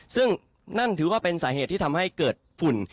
ซึ่งนั่นถือว่าเป็นสาเหตุที่ทำให้เกิดฝุ่น